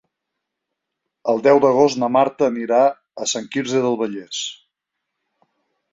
El deu d'agost na Marta anirà a Sant Quirze del Vallès.